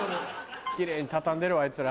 キレイに畳んでるわあいつら。